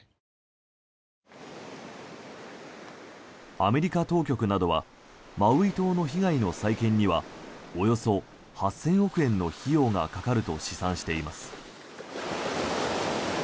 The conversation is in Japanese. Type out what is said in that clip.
アメリカ当局などはマウイ島の被害の再建にはおよそ８０００億円の費用がかかると試算しています。